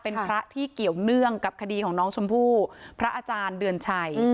เป็นพระที่เกี่ยวเนื่องกับคดีของอ้าจารย์เดือนไช